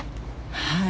はい。